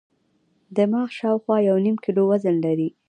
دماغ شاوخوا یو نیم کیلو وزن لري.